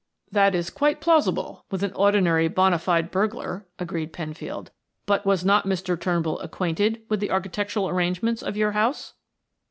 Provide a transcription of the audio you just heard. "That is quite plausible with an ordinary bona fide burglar," agreed Penfield. "But was not Mr. Turnbull acquainted with the architectural arrangements of your house?"